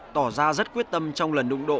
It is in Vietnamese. tỏ ra rất quyết tâm trong lần đụng độ